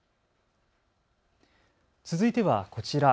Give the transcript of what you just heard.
続いてはこちら。